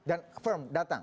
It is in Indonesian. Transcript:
dan firm datang